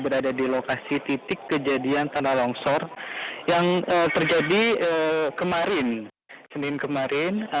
berada di lokasi titik kejadian tanah longsor yang terjadi kemarin senin kemarin